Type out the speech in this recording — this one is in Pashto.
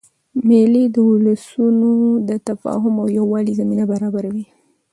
مېلې اد ولسونو د تفاهم او یووالي زمینه برابروي.